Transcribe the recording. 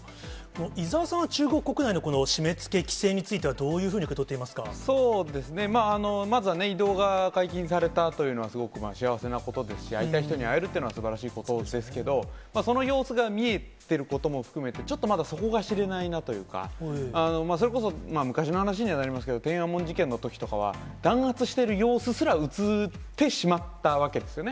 伊沢さんは、中国国内のこの締めつけ、規制については、どういうそうですね、まあ、まずはね、移動が解禁されたというのは、すごく幸せなことですし、会いたい人に会えるっていうのは、すばらしいことですけど、その様子が見えてることも含めて、ちょっとまだ、底が知れないなというか、それこそ、昔の話にはなりますけど、天安門事件のときとかは、弾圧してる様子すらうつってしまったわけですよね。